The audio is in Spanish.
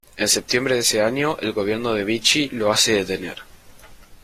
En septiembre de ese año, el gobierno de Vichy lo hace detener.